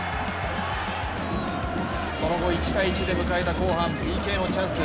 その後、１−１で迎えた後半、ＰＫのチャンス。